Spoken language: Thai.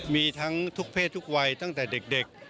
มีทั้งทุกเพศทุกวัยตั้งแต่เด็ก